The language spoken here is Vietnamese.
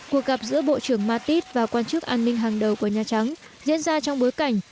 cuộc gặp giữa bộ trưởng mattis và quan chức an ninh hàng đầu của nhà trắng diễn ra trong bối cảnh